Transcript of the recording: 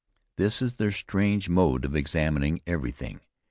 This is their strange mode of examining everything.